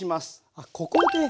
あここで。